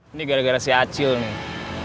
ini gara gara si acil nih